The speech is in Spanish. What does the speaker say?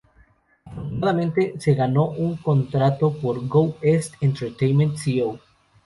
Afortunadamente, se ganó un contrato por Go East Entertainment, Co.